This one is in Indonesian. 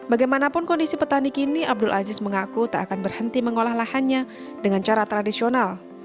bagaimanapun kondisi petani kini abdul aziz mengaku tak akan berhenti mengolah lahannya dengan cara tradisional